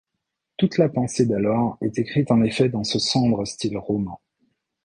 Toute la pensée d’alors est écrite en effet dans ce sombre style roman.